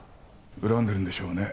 恨んでるんでしょうね